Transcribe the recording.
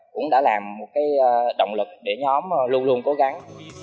cũng đã làm một cái động lực để nhóm luôn luôn cố gắng